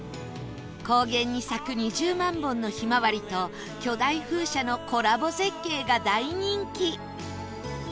高原に咲く２０万本のひまわりと巨大風車のコラボ絶景が大人気